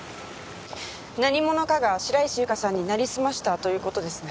何者かが白石ゆかさんになりすましたという事ですね。